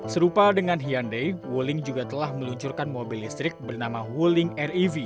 serupa dengan hyundai wuling juga telah meluncurkan mobil listrik bernama wuling rev